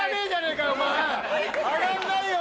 上がんないよ！